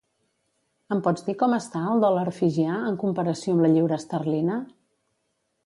Em pots dir com està el dòlar fijià en comparació amb la lliura esterlina?